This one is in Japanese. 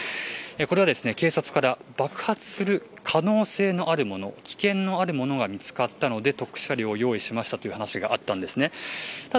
これは警察から爆発する可能性のあるもの危険のあるものが見つかったので特殊車両を用意したという話がありました。